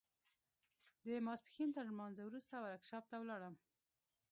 د ماسپښين تر لمانځه وروسته ورکشاپ ته ولاړم.